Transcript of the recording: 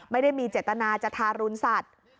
ไม่ได้มีเจตนาจะทารุณสัตว์